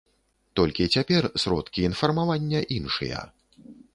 Толькі цяпер сродкі інфармавання іншыя.